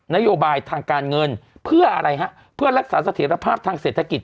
นโยบายทางการเงินเพื่ออะไรฮะเพื่อรักษาเสถียรภาพทางเศรษฐกิจ